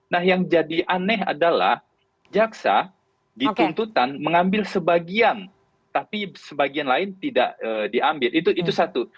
nah yang jadi aneh adalah jaksa dituntutan mengambil sebagian tapi sebagian lain tidak diambil itu satu